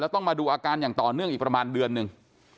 ต้องมาดูอาการอย่างต่อเนื่องอีกประมาณเดือนหนึ่ง